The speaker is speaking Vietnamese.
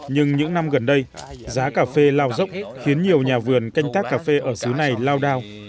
nhưng những năm gần đây giá cà phê lao dốc khiến nhiều nhà vườn canh tác cà phê ở sứ này lao đao